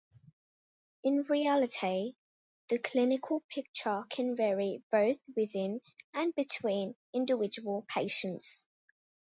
In reality the clinical picture can vary both within and between individual patients.